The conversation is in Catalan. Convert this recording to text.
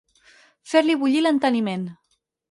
Fer-li bullir l'enteniment.